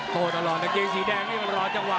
โต้ตลอดกางเกงสีแดงนี่มันรอจังหวะ